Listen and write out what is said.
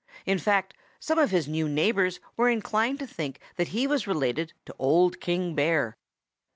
In fact, some of his new neighbors were inclined to think that he was related to Old King Bear.